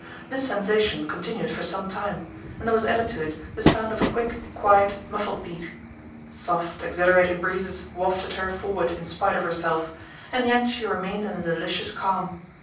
This sensation continued for some time, and there was added to it the sound of a quick, quiet, muffled beat. Soft, exhilarating breezes wafted her forward in spite of herself, and yet she remained in a delicious calm.